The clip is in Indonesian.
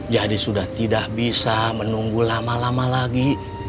jadi sudah tidak bisa menunggu lama lama lagi